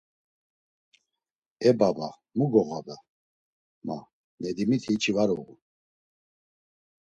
E baba mu goğoda, ma; Nedimiti hiç̌i var uğun.